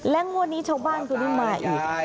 และมวดนี้ชาวบ้านก็ดึงมาอีก